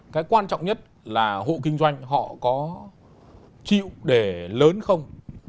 cái quan trọng nhất là hộ kinh doanh họ có chịu để lớn không